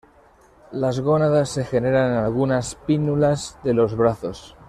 Las gónadas se generan en algunas pínnulas de los brazos.